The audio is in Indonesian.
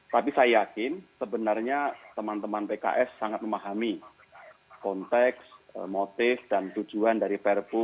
tapi saya yakin sebenarnya teman teman pks sangat memahami konteks motif dan tujuan dari perpu